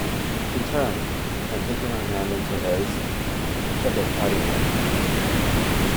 He turned, and taking her hand into his, shook it chidingly.